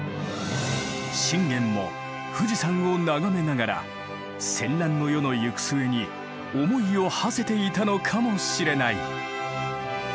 信玄も富士山を眺めながら戦乱の世の行く末に思いをはせていたのかもしれない。